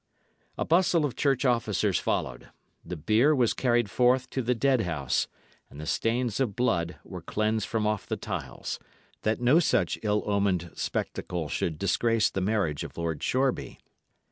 A bustle of church officers followed; the bier was carried forth to the deadhouse, and the stains of blood were cleansed from off the tiles, that no such ill omened spectacle should disgrace the marriage of Lord Shoreby.